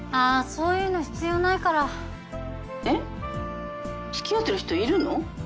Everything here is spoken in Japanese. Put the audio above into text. そういうの必要ないから☎えっ付き合ってる人いるの？